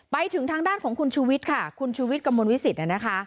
ไปถึงทางด้านของคุณชูวิทย์ค่ะคุณชูวิทย์กระมวลวิสิตนะคะ